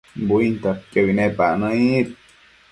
buintadquiobi nepac nëid